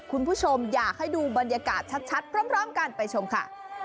คุณผู้ชมอยากให้ดูบรรยากาศชัดพร้อมกันไปชมค่ะ